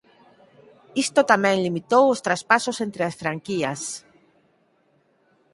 Isto tamén limitou os traspasos entre as franquías.